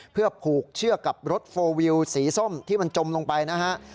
เพื่อผูกเชือกกับรถโฟลวิวสีส้มที่มันจมลงไปนะฮะ